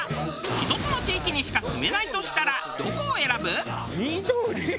１つの地域にしか住めないとしたらどこを選ぶ？